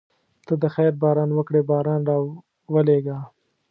ته د خیر باران وکړې باران راولېږه.